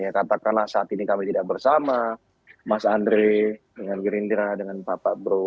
katakanlah saat ini kami tidak bersama mas andre dengan gerindra dengan pak prabowo